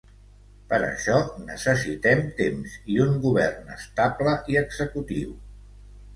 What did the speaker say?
Per això necessitem temps, i un govern estable i executiu.